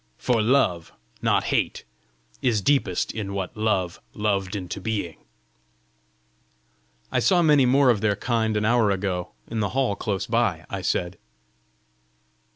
for love, not hate, is deepest in what Love 'loved into being.'" "I saw many more of their kind an hour ago, in the hall close by!" I said.